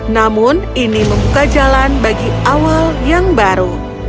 namun ini membuka jalan bagi awal yang baru